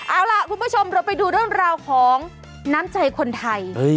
เอาล่ะคุณผู้ชมเราไปดูเรื่องราวของน้ำใจคนไทย